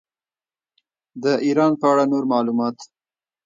د ایران په اړه نور معلومات.